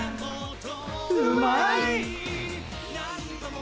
うまい。